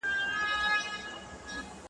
دا هنر دي له کوم ځایه دی راوړی ,